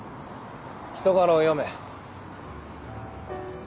人柄を読め。